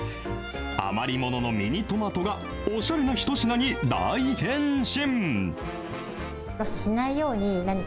余りもののミニトマトが、おしゃれな一品に大変身。